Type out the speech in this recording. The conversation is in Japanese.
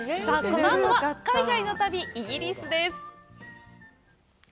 このあとは海外の旅、イギリスです。